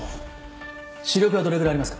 視力はどれぐらいありますか？